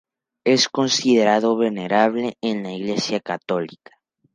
Es considerado venerable en la Iglesia católica.